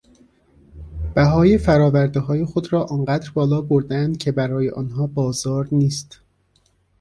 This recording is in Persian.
بهای فراوردههای خود را آنقدر بالابردهاند که برای آنها بازار نیست.